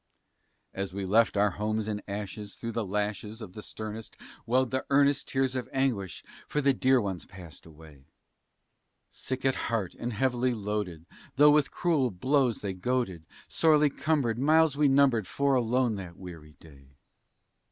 As we left our homes in ashes, through the lashes of the sternest Welled the earnest tears of anguish for the dear ones passed away; Sick at heart and heavily loaded, though with cruel blows they goaded, Sorely cumbered, miles we numbered four alone that weary day.